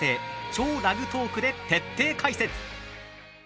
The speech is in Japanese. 「＃超ラグトーク」で徹底解説。